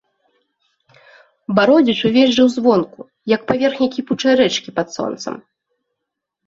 Бародзіч увесь жыў звонку, як паверхня кіпучай рэчкі пад сонцам.